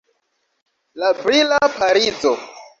La brila Parizo.